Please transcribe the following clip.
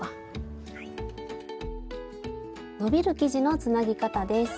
スタジオ伸びる生地のつなぎ方です。